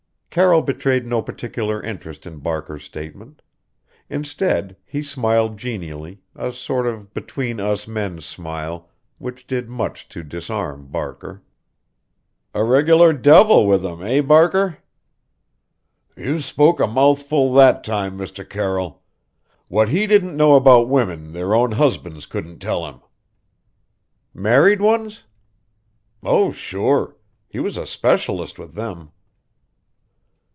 Carroll betrayed no particular interest in Barker's statement. Instead, he smiled genially, a sort of between us men smile, which did much to disarm Barker. "A regular devil with 'em, eh, Barker?" "You spoke a mouthful that time, Mr. Carroll! What he didn't know about women their own husbands couldn't tell him." "Married ones?" "Oh, sure! He was a specialist with them."